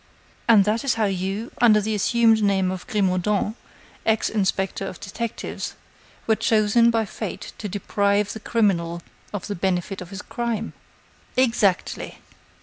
"And that is how you, under the assumed name of Grimaudan, ex inspector of detectives, were chosen by fate to deprive the criminal of the benefit of his crime." "Exactly.